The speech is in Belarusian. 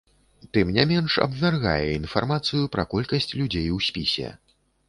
Тым не менш абвяргае інфармацыю пра колькасць людзей у спісе.